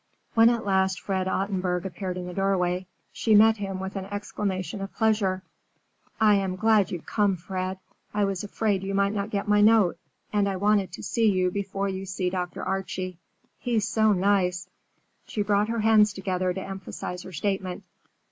When at last Fred Ottenburg appeared in the doorway, she met him with an exclamation of pleasure. "I am glad you've come, Fred. I was afraid you might not get my note, and I wanted to see you before you see Dr. Archie. He's so nice!" She brought her hands together to emphasize her statement.